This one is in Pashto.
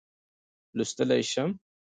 لوستلای شم.